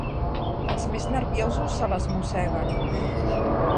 Els més nerviosos se les mosseguen.